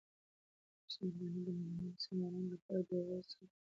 عثمان غني د مدینې د مسلمانانو لپاره د اوبو څاه په خپلو پیسو واخیسته.